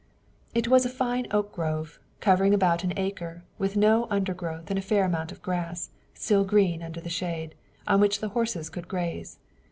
It was a fine oak grove, covering about an acre, with no undergrowth and a fair amount of grass, still green under the shade, on which the horses could graze.